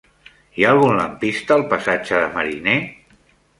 Hi ha algun lampista al passatge de Mariner?